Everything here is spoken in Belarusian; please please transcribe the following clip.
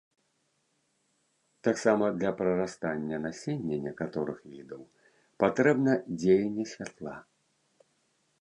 Таксама для прарастання насення некаторых відаў патрэбна дзеянне святла.